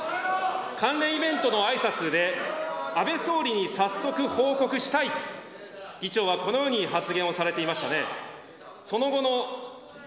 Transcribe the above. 関連イベントのあいさつで、安倍総理に早速報告したい、議長はこのように発言をされていましたね。